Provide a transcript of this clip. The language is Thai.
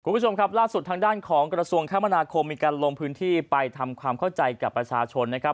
คุณผู้ชมครับล่าสุดทางด้านของกระทรวงคมนาคมมีการลงพื้นที่ไปทำความเข้าใจกับประชาชนนะครับ